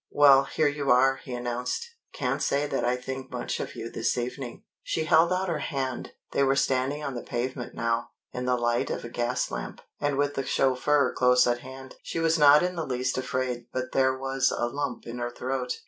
"Well, here you are," he announced. "Can't say that I think much of you this evening." She held out her hand. They were standing on the pavement now, in the light of a gas lamp, and with the chauffeur close at hand. She was not in the least afraid but there was a lump in her throat.